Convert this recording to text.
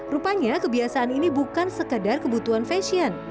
rupanya kebiasaan ini bukan sekedar kebutuhan fashion